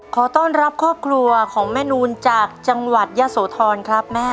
ขอต้อนรับครอบครัวของแม่นูนจากจังหวัดยะโสธรครับแม่